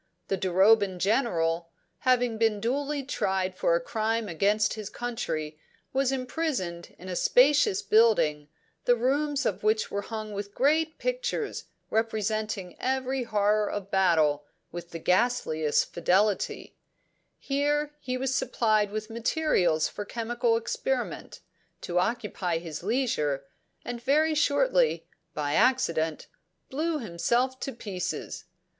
The Duroban General, having been duly tried for a crime against his country, was imprisoned in a spacious building, the rooms of which were hung with great pictures representing every horror of battle with the ghastliest fidelity; here he was supplied with materials for chemical experiment, to occupy his leisure, and very shortly, by accident, blew himself to pieces.